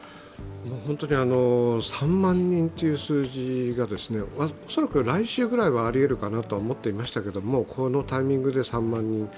本当に３万人という数字が、恐らく来週ぐらいはありえるかなと思っていましたけれども、このタイミングで３万人。